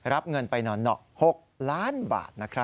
รับเงินไปหน่อ๖ล้านบาทนะครับ